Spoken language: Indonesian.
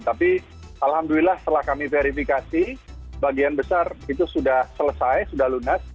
tapi alhamdulillah setelah kami verifikasi bagian besar itu sudah selesai sudah lunas